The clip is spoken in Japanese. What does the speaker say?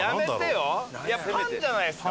「パン」じゃないですか？